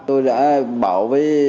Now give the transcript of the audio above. tôi đã bảo